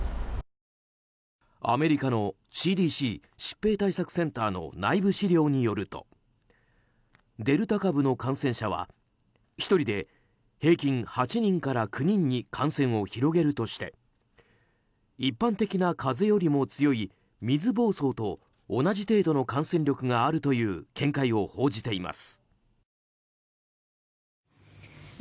アメリカのＣＤＣ・疾病対策センターの内部資料によるとデルタ株の感染者は１人で平均８人から９人に感染を広げるとして一般的な風邪よりも強い水ぼうそうと同じ程度の感染力があるという見解を報じています。